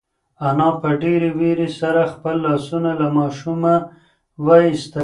انا په ډېرې وېرې سره خپل لاسونه له ماشومه وایستل.